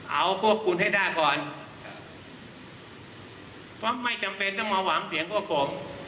เอาพวกคุณให้ได้ก่อนเพราะไม่จำเป็นต้องมาหวังเสียงพวกผม